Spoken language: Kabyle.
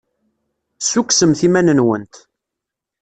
Ssukksemt iman-nwent.